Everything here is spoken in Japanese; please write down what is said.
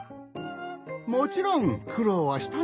もちろんくろうはしたん